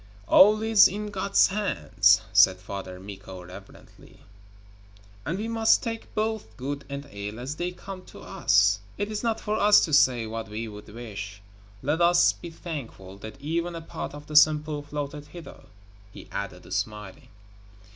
'All is in God's hands,' said Father Mikko reverently, 'and we must take both good and ill as they come to us it is not for us to say what we would wish. Let us be thankful that even a part of the Sampo floated hither,' he added, smiling.